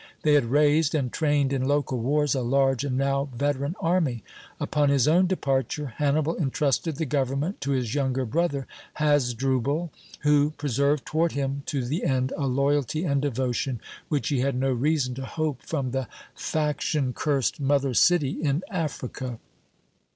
They had raised, and trained in local wars, a large and now veteran army. Upon his own departure, Hannibal intrusted the government to his younger brother, Hasdrubal, who preserved toward him to the end a loyalty and devotion which he had no reason to hope from the faction cursed mother city in Africa.